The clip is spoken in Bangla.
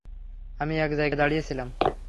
আমি এক জায়গায় দাঁড়িয়ে ছিলাম।